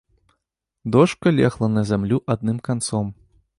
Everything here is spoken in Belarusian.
Дошка легла на зямлю адным канцом.